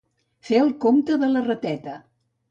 Fer el compte de la rateta.